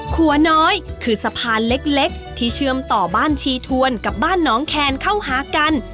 หัวน้อยคือสะพานเล็กที่เชื่อมต่อบ้านชีทวนกับบ้านน้องแคนเข้าหากัน